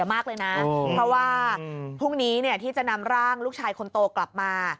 หรือว่าพรุ่งนี้จะนำร่างลูกชายคนโตกลับมา